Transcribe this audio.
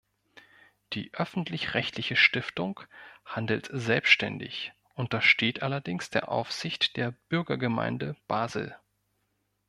Die öffentlich-rechtliche Stiftung handelt selbständig, untersteht allerdings der Aufsicht der Bürgergemeinde Basel.